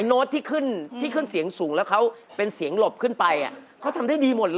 หนุ่มกระชุ่งกระช่วยนวงแกงขาคุ้ยแบกให้กับสุรา